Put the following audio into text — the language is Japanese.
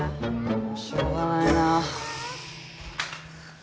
しょうがないな。